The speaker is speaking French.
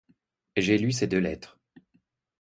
J’ai lu ces deux lettres.